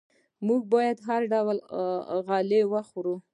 موږ باید هر ډول غله وخورو.